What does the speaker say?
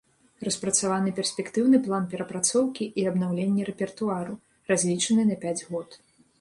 Распрацаваны перспектыўны план перапрацоўкі і абнаўлення рэпертуару, разлічаны на пяць год.